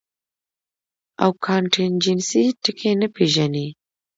او کانټنجنسي ټکے نۀ پېژني -